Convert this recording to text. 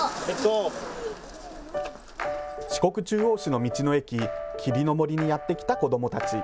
四国中央市の道の駅、霧の森にやって来た子どもたち。